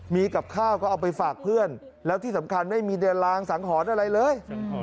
มีกับข้าวก็เอาไปฝากเพื่อนแล้วที่สำคัญไม่มีเดินรางสังหรณ์อะไรเลย